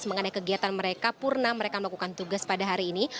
karena kegiatan mereka purna mereka melakukan tugas pada hari ini